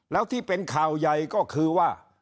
แล้วที่เป็นข่าวใหญ่ก็คือว่า